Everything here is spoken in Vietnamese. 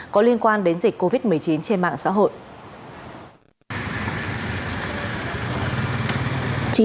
có liên quan đến dịch covid một mươi chín trên mạng xã hội